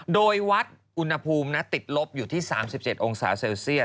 โดยวัดอุณหภูมิติดลบอยู่ที่๓๗องศาเซลเซียต